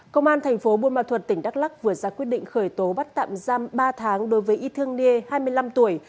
công an thành phố buôn ma thuật tỉnh đắk lắc vừa ra quyết định khởi tố bắt tạm giam ba tháng đối với y thương niê hai mươi năm tuổi